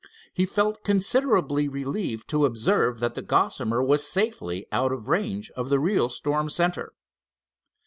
He felt considerably relieved to observe that the Gossamer was safely out of range of the real storm center.